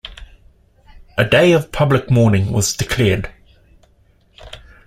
A day of public mourning was declared.